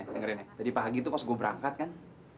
dengarin nih tadi pagi tuh pas gua berangkat kan